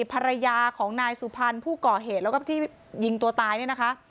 ภรรยาของนายสุพรรณผู้ก่อเหตุแล้วก็ที่ยิงตัวตายเนี่ยนะคะ